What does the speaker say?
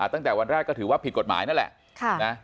ตั้งแต่วันแรกก็ถือว่าผิดกฎหมายนั่นแหละ